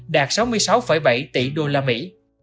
đạt sáu mươi sáu bảy tỷ đô la mỹ